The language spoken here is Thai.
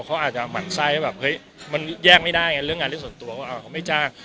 เขาอาจจะหมั่นไส้มันแยกไม่ได้เรื่องงานเรื่องส่วนตัวเขาไม่จ้าง